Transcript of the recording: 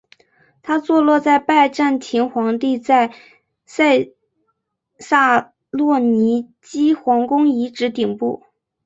它坐落在拜占庭皇帝在塞萨洛尼基皇宫遗址顶部。